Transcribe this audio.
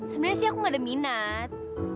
sebenarnya sih aku gak ada minat